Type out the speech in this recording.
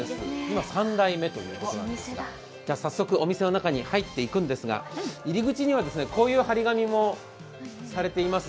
今３代目ということなんですが早速お店の中に入っていきますがこういう貼り紙もされています。